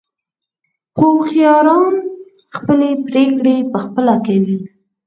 هوښیاران خپلې پرېکړې په خپله کوي.